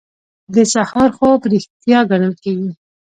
د سهار خوب ریښتیا ګڼل کیږي.